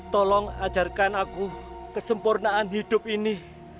tolong ajarkan aku kesempurnaan hidup ini